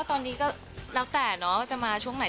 ตอนนี้ก็แล้วแต่เนาะว่าจะมาช่วงไหน